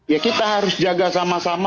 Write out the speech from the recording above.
ya kita harus jaga sama sama